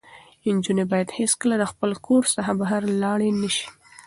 نجونې باید هېڅکله له خپل کور څخه بهر لاړې نه شي.